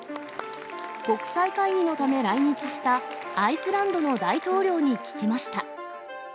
国際会議のため、来日したアイスランドの大統領に聞きました。